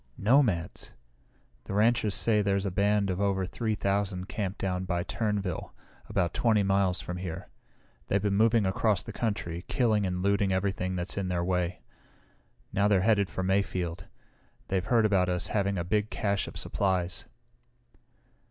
"Nomads! The ranchers say there's a band of over three thousand camped down by Turnerville, about 20 miles from here. They've been moving across the country, killing and looting everything that's in their way. Now they're headed for Mayfield. They've heard about us having a big cache of supplies."